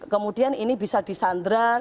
kemudian ini bisa disandra